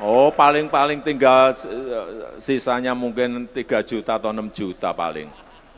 oh paling paling tinggal sisanya mungkin tiga juta atau enam juta paling